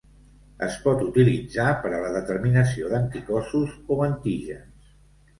Es pot utilitzar per a la determinació d'anticossos o antígens.